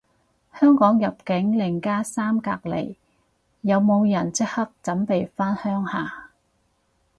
香港入境零加三隔離，有冇人即刻準備返鄉下